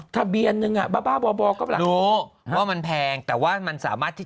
ทะเบียนนึงอ่ะบ้าบ้าบ่อก็หลังรู้ว่ามันแพงแต่ว่ามันสามารถที่